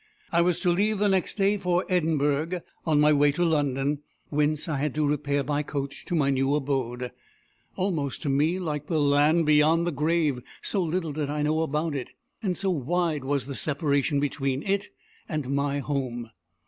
I was to leave the next day for Edinburgh, on my way to London, whence I had to repair by coach to my new abode almost to me like the land beyond the grave, so little did I know about it, and so wide was the separation between it and my home.